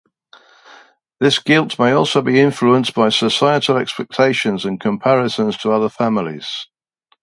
This guilt may also be influenced by societal expectations and comparisons to other families.